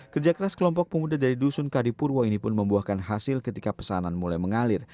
kerja keras kelompok pemuda dari dusun kadipurwo ini pun membuahkan hasil ketika pesanan mulai mengalir